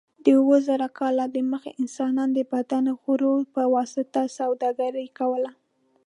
د اوه زره کاله دمخه انسانانو د بدن غړو په واسطه سوداګري کوله.